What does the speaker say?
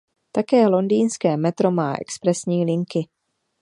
Také londýnské metro má expresní linky.